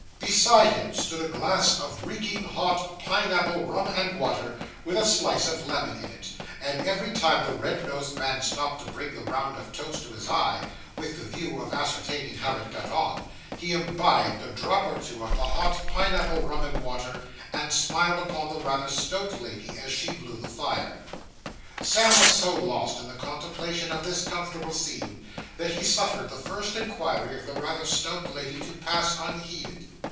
Beside him stood a glass of reeking hot pine apple rum and water, with a slice of lemon in it; and every time the red nosed man stopped to bring the round of toast to his eye, with the view of ascertaining how it got on, he imbibed a drop or two of the hot pine apple rum and water, and smiled upon the rather stout lady, as she blew the fire. Sam was so lost in the contemplation of this comfortable scene, that he suffered the first inquiry of the rather stout lady to pass unheeded.